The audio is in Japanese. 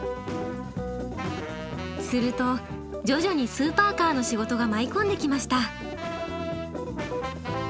すると徐々にスーパーカーの仕事が舞い込んできました。